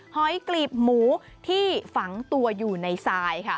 หอยกลีบหมูที่ฝังตัวอยู่ในซาย